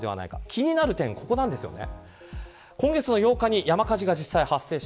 気になる点はここなんですよね。